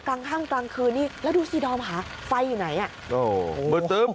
กลางห้างกลางคืนนี่แล้วดูสิดอมค่ะไฟอยู่ไหนอ่ะ